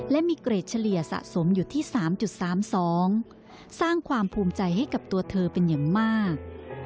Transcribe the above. และมีเกรดเฉลี่ยสะสมอยู่ที่๓๓๒สร้างความภูมิใจให้กับตัวเธอเป็นอย่างมาก